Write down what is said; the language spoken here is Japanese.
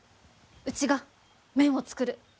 うちが麺を作る。